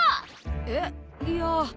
えっいや。